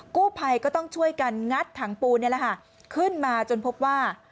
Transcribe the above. กู้ภัยก็ต้องช่วยกันงัดถังปูนนี่แหละค่ะขึ้นมาจนพบว่า